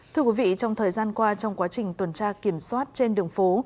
thưa quý vị trong thời gian qua trong quá trình tuần tra kiểm soát trên đường phố